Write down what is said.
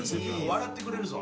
笑ってくれるぞ。